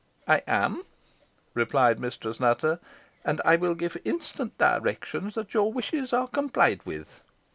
"I am," replied Mistress Nutter, "and I will give instant directions that your wishes are complied with.